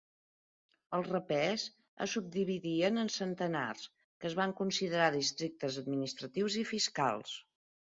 Els rapés es subdividien en centenars, que es van considerar districtes administratius i fiscals.